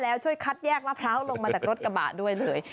แล้วช่วยคัดแยกมะพร้าวลงมาจากรถกระบะด้วยเลย